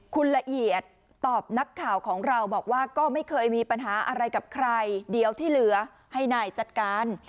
คุณละเอียดตอบนักข่าวของเราบอกว่าก็ไม่เคยมีปัญหาอะไรกับใครเดี๋ยวที่เหลือให้นายจัดการ